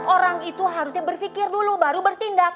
orang itu harusnya berpikir dulu baru bertindak